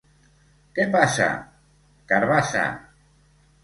Què passa? / —Carabassa!